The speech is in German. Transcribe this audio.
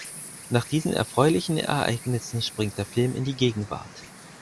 Nach diesen erfreulichen Ereignissen springt der Film in die Gegenwart.